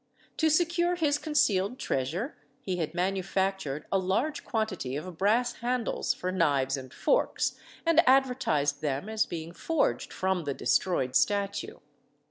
To secure his concealed treasure he had manufactured a large quantity of brass handles for knives and forks, and advertised them as being forged from the destroyed statue.